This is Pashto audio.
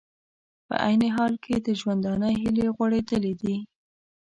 په عین حال کې د ژوندانه هیلې غوړېدلې دي